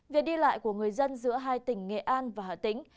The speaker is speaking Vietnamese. việc đi lại của người dân giữa hai tỉnh nghệ an và hà tĩnh